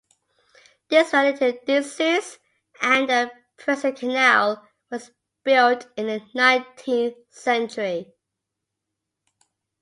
This fell into disuse, and the present canal was built in the nineteenth century.